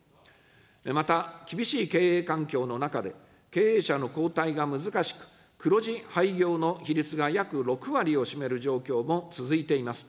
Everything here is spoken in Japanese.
また厳しい経営環境の中で、経営者の交代が難しく、黒字廃業の比率が約６割を占める状況も続いています。